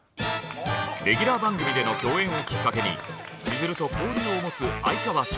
レギュラー番組での共演をきっかけにしずると交流を持つ哀川翔さん。